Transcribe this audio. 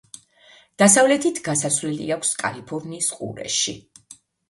დასავლეთით გასასვლელი აქვს კალიფორნიის ყურეში.